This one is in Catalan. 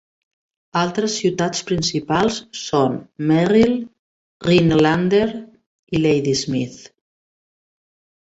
Altres ciutats principals són Merrill, Rhinelander i Ladysmith.